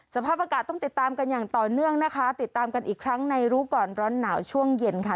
สภาพอากาศต้องติดตามกันอย่างต่อเนื่องนะคะติดตามกันอีกครั้งในรู้ก่อนร้อนหนาวช่วงเย็นค่ะ